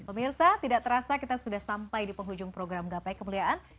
pemirsa tidak terasa kita sudah sampai di penghujung program gapai kemuliaan